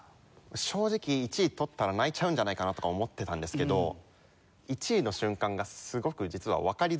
正直１位とったら泣いちゃうんじゃないかなとか思ってたんですけど１位の瞬間がすごく実はわかりづらくて。